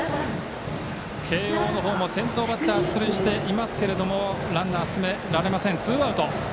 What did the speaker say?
慶応のほうも先頭バッター出塁してますがランナー、進められません。